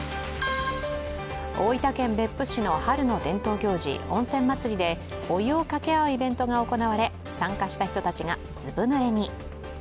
大分県別府市の春の伝統行事、温泉まつりでお湯をかけ合うイベントが行われ参加した人たちがずぶぬれに。